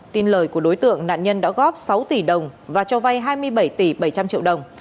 tin lời của đối tượng nạn nhân đã góp sáu tỷ đồng và cho vay hai mươi bảy tỷ bảy trăm linh triệu đồng